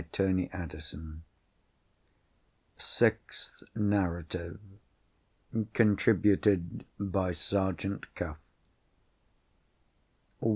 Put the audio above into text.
GODFREY ABLEWHITE! SIXTH NARRATIVE. _Contributed by Sergeant Cuff.